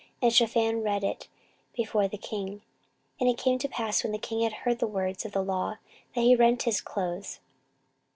And Shaphan read it before the king. 14:034:019 And it came to pass, when the king had heard the words of the law, that he rent his clothes.